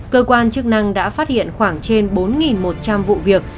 cơ quan chức năng đã phát hiện khoảng trên bốn một trăm linh vụ việc